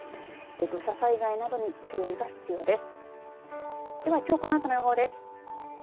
土砂災害などに注意が必要です。